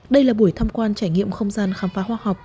đây là buổi tham quan trải nghiệm không gian khám phá khoa học